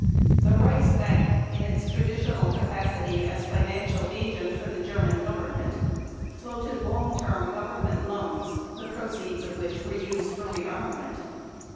The Reichsbank, in its traditional capacity as financial agent for the German Government, floated long term Government loans, the proceeds of which were used for rearmament.